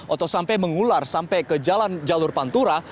atau sampai mengular sampai ke jalan jalur pantura